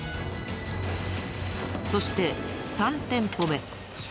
そして３店舗目。